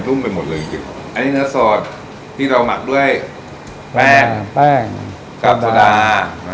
นุ่มไปหมดเลยอันนี้เนื้อสดที่เราหมักด้วยแป้งแป้งกับโซดานะฮะ